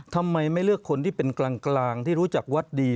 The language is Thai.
ทำไมไม่เลือกคนที่เป็นกลางที่รู้จักวัดดี